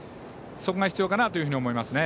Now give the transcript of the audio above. そこが必要かなと思います。